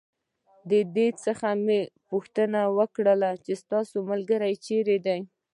د ده څخه مې پوښتنه وکړل: ستا ملګری چېرې دی؟